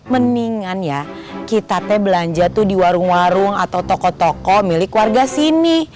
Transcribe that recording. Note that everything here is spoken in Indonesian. mendingan ya kita teh belanja tuh di warung warung atau toko toko milik warga sini